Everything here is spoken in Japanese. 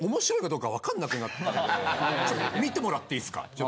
ちょっと見てもらっていいっすか？